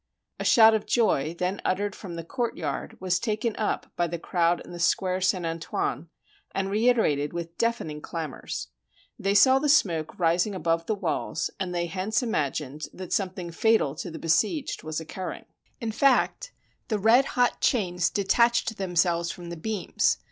A shout of joy then uttered from the courtyard was taken up by the crowd in the Square St. Antoine, and reiterated with deafening clamors. They saw the smoke rising above the walls, and they hence imagined that something fatal to the besieged was occurring. In fact, 287 FRANCE the red hot chains detached themselves from the beams.